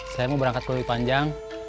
saya mau berangkat ke lebih panjang